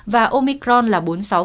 và omicron là bốn mươi sáu